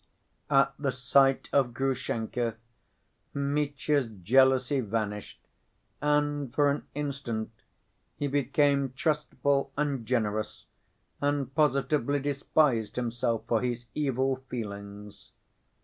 At the sight of Grushenka, Mitya's jealousy vanished, and, for an instant he became trustful and generous, and positively despised himself for his evil feelings.